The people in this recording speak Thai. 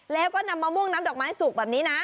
แล้วก็นำมะม่วงน้ำดอกไม้สุกแบบนี้นะ